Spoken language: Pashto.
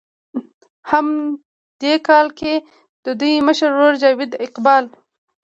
هم دې کال کښې د دوي مشر ورور جاويد اقبال